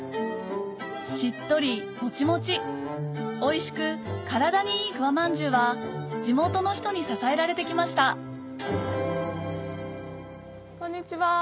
しっとりもちもちおいしく体にいい桑まんじゅうは地元の人に支えられて来ましたこんにちは。